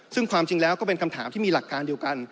ซึ่งความจริงแล้วก็เป็นคำถามที่มีหลักการเดียวกัน